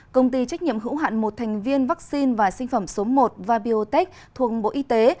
công ty trách nhiệm hữu hạn một thành viên vaccine và sinh phẩm số một vabiotech thuộc bộ y tế